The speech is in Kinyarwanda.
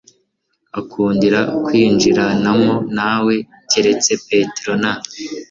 akundira kwinjiranamo na we keretse petero na